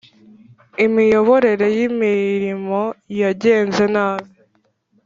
Imiyoborere y’ imirimo yagenze nabi.